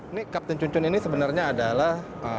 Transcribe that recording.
ini kapten cuncun ini sebenarnya adalah